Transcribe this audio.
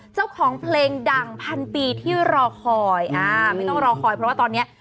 เจ้าของเพลงดังพันปีที่รอคอยอ่าไม่ต้องรอคอยเพราะว่าตอนเนี้ย